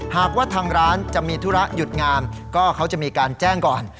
หากว่าทางร้านจะมีธุระหยุดงานก็เขาจะมีการแจ้งก่อน